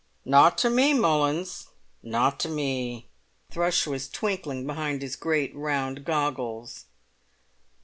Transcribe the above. "Not to me, Mullins—not to me." Thrush was twinkling behind his great round goggles.